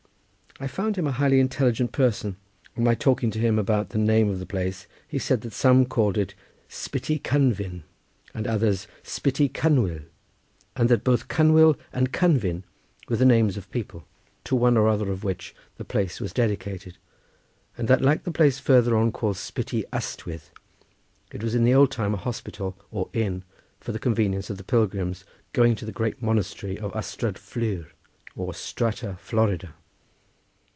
I found him a highly intelligent person: on my talking to him about the name of the place, he said that some called it Spytty Cynfyn, and others Spytty Cynwyl, and that both Cynwyl and Cynfyn were the names of people, to one or other of which the place was dedicated, and that like the place farther on called Spytty Ystwyth, it was in the old time a hospital or inn for the convenience of the pilgrims going to the great monastery of Ystrad Flur or Strata Florida.